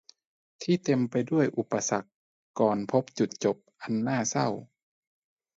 ที่เต็มไปด้วยอุปสรรคก่อนพบจุดจบอันน่าเศร้า